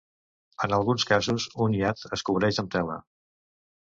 En alguns casos un "yad" es cobreix amb tela.